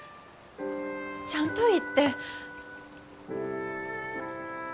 ちゃんと言って。